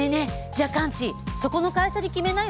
じゃあカンチそこの会社に決めなよ。